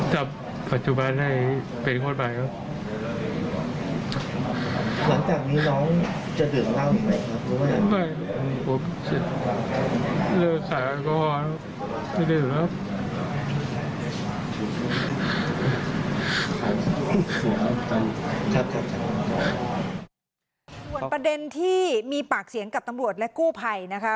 ส่วนประเด็นที่มีปากเสียงกับตำรวจและกู้ภัยนะคะ